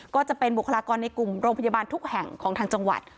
ก็จะเป็นบุคลากรในกลุ่มโรงพยาบาลทุกแห่งของทางจังหวัด